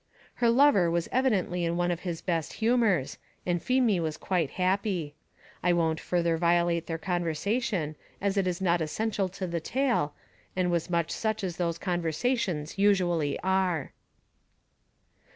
Her lover was evidently in one of his best humours, and Feemy was quite happy. I won't further violate their conversation, as it is not essential to the tale, and was much such as those conversations usually are.